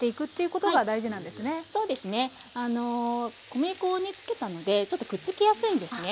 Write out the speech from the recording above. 小麦粉に付けたのでちょっとくっつきやすいんですね。